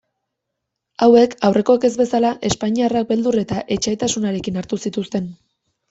Hauek, aurrekoek ez bezala, espainiarrak beldur eta etsaitasunarekin hartu zituzten.